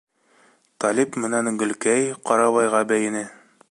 Талип менән Гөлкәй «Ҡарабай»ға бейене.